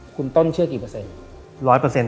คุณต้นเชื่อกี่เปอร์เซ็นต์๑๐๐